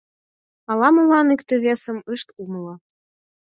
Ала-молан икте-весым ышт умыло.